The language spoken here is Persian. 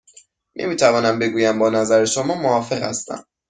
نمی توانم بگویم با نظر شما موافق هستم.